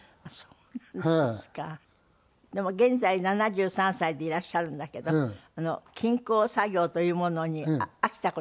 でも現在７３歳でいらっしゃるんだけど金工作業というものに飽きた事がない？